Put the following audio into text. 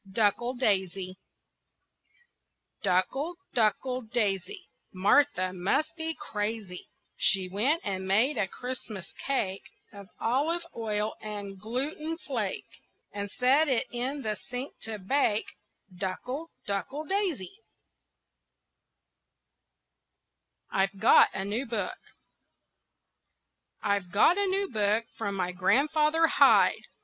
DUCKLE, DAISY Duckle, duckle, daisy, Martha must be crazy, She went and made a Christmas cake Of olive oil and gluten flake, And set it in the sink to bake, Duckle, duckle, daisy. [Illustration: DUCKLE, DUCKLE, DAISY] I'VE GOT A NEW BOOK I've got a new book from my Grandfather Hyde.